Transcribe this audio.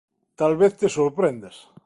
talvez te sorprendas.